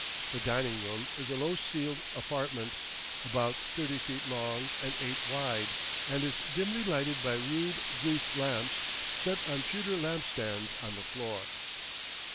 The dining room is a low ceiled apartment, about thirty feet long and eight wide, and is dimly lighted by rude grease lamps, set on pewter lamp stands on the floor.